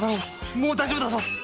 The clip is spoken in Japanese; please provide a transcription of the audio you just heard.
もう大丈夫だぞ。